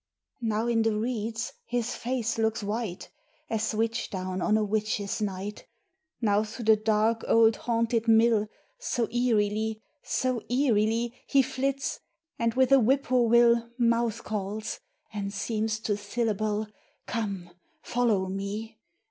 II. Now in the reeds his face looks white As witch down on a witches' night; Now through the dark old haunted mill, So eerily, so eerily, He flits; and with a whippoorwill Mouth calls, and seems to syllable, "Come follow me!